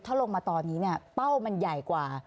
ถ้าลงมาตอนนี้เนี่ยเป้ามันใหญ่กว่า